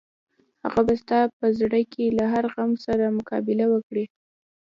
هغه به ستا په زړه کې له هر غم سره مقابله وکړي.